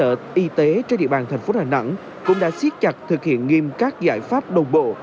bệnh viện y tế trên địa bàn thành phố hà nẵng cũng đã siết chặt thực hiện nghiêm các giải pháp đồng bộ